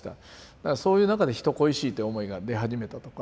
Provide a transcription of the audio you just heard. だからそういう中で人恋しいって思いが出始めたとか。